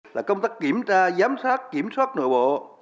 là công tác kiểm tra giám sát kiểm soát nội bộ